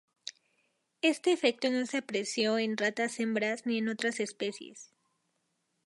Este efecto no se apreció en ratas hembra ni en otras especies.